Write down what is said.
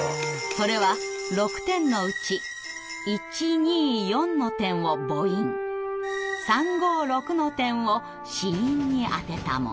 それは６点のうち１２４の点を母音３５６の点を子音にあてたもの。